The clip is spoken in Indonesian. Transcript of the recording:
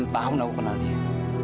delapan tahun aku kenal dia